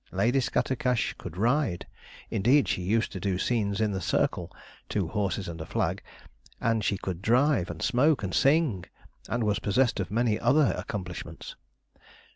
Lady Scattercash could ride indeed, she used to do scenes in the circle (two horses and a flag) and she could drive, and smoke, and sing, and was possessed of many other accomplishments.